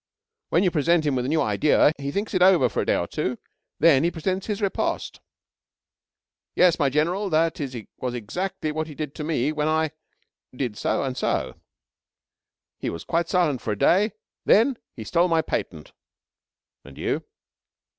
"When you present him with a new idea, he thinks it over for a day or two. Then he presents his riposte." "Yes, my General. That was exactly what he did to me when I did so and so. He was quite silent for a day. Then he stole my patent." "And you?"